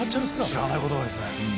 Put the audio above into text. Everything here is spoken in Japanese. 知らない言葉ですね。